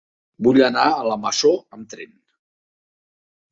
Vull anar a la Masó amb tren.